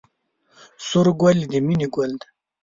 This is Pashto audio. سور ګل د مینې ګل دی